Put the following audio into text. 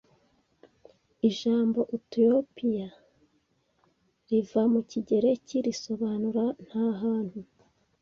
Ijambo Utopia riva mu kigereki risobanura Ntahantu